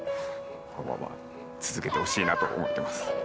このまま続けてほしいなと思ってます。